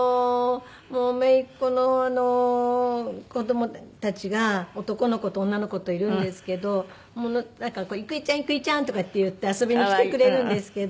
もう姪っ子のあの子どもたちが男の子と女の子といるんですけどなんか「郁恵ちゃん！郁恵ちゃん！」とかって言って遊びに来てくれるんですけど。